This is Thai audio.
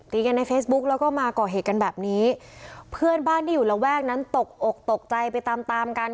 กันในเฟซบุ๊กแล้วก็มาก่อเหตุกันแบบนี้เพื่อนบ้านที่อยู่ระแวกนั้นตกอกตกใจไปตามตามกัน